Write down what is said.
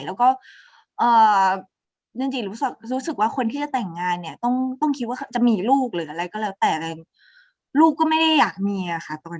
แล้วก็จริงรู้สึกว่าคนที่จะแต่งงานเนี่ยต้องคิดว่าจะมีลูกหรืออะไรก็แล้วแต่แต่ลูกก็ไม่ได้อยากมีอะค่ะตอนนั้น